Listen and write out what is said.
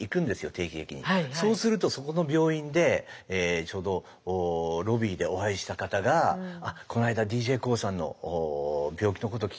そうするとそこの病院でちょうどロビーでお会いした方がこの間ＤＪＫＯＯさんの病気のこと聞きました。